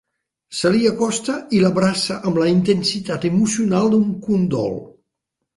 Se li acosta i l'abraça amb la intensitat emocional d'un condol.